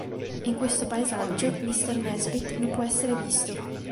In questo paesaggio Mr. Nesbitt non può essere visto.